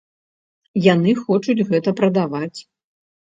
Яны хочуць гэта прадаваць.